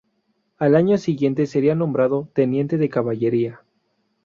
Al año siguiente sería nombrado teniente de caballería.